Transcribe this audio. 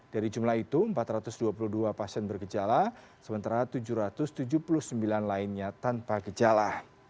dari jumlah itu empat ratus dua puluh dua pasien bergejala sementara tujuh ratus tujuh puluh sembilan lainnya tanpa gejala